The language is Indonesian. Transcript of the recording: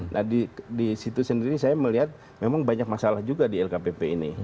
nah di situ sendiri saya melihat memang banyak masalah juga di lkpp ini